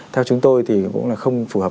theo chúng tôi thì cũng là không phù hợp